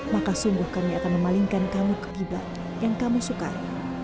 maka sungguh kami akan memalingkan kamu ke gibat yang kamu sukai